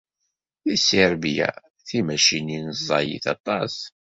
Deg Serbya, timacinin ẓẓayit aṭas.